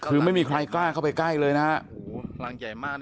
คือไม่มีใครกล้าเข้าไปใกล้เลยนะครับ